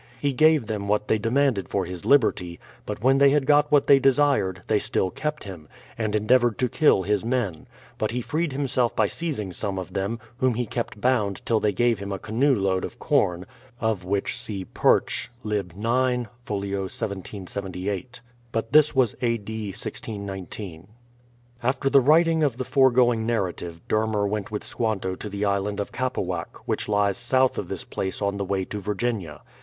He gave them what they demanded for his liberty, but when they had got what they desired, they still kept him, and endeavoured to kill his men; but he freed himself by seizing some of them, whom he kept bound till they gave him a canoe load of 82 BRADFORD'S HISTORY OF com (of which, see Purch: lib. ix, fol. 1778), But this was A. D. 1619. After the writing of the foregoing narrative, Dermer went with Squanto to the Island of Capawack, which lies south of this place on the way to Virginia.